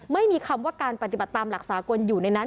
ไม่มีคำว่าการปฏิบัติตามหลักสากลอยู่ในนั้น